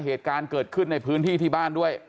เหตุการณ์เกิดขึ้นในพื้นที่ที่บ้านด้วย